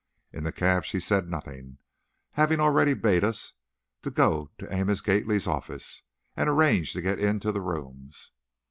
In the cab she said nothing, having already bade us go to Amos Gately's office, and arrange to get into the rooms.